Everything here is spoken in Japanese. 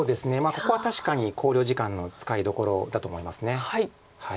ここは確かに考慮時間の使いどころだと思います。